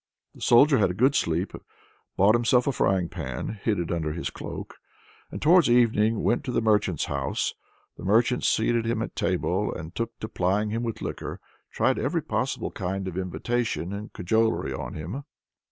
The Soldier had a good sleep, bought himself a frying pan, hid it under his cloak, and towards evening went to the merchant's house. The merchant seated him at table and took to plying him with liquor tried every possible kind of invitation and cajolery on him.